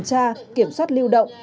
để kiểm tra kiểm soát lưu động